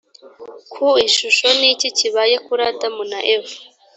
ku ishusho ni iki kibaye kuri adamu na eva